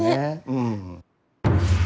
うん。